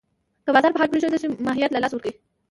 که بازار په حال پرېښودل شي، ماهیت له لاسه ورکوي.